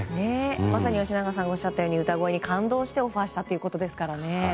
まさに吉永さんがおっしゃったように歌声に感動してオファーしたということですからね。